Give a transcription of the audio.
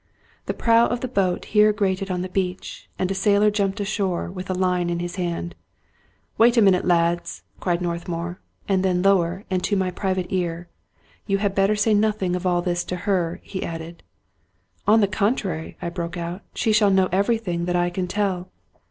The prow of the boat here grated on the beach, and a sailor jumped ashore with a line in his hand. " Wait a minute, lads !" cried Northmour ; and then lower and to my private ear, " You had better say nothing^ of all this to Her," he added. " On the contrary !" I broke out, " she shall know every thing that I can tell."